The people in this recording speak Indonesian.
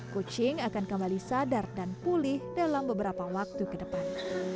kucing akan kembali sadar dan pulih dalam beberapa waktu ke depan